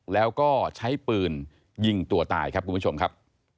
แล้วก็ใช้ปืนยิงตัวตายครับคุณผู้ชมครับ